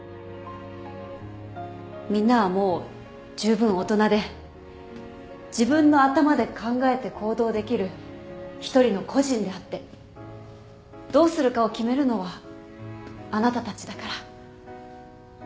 みんなはもうじゅうぶん大人で自分の頭で考えて行動できる一人の個人であってどうするかを決めるのはあなたたちだから。